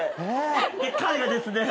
彼がですね